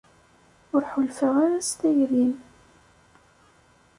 ur ḥulfaɣ ara s tayri-m.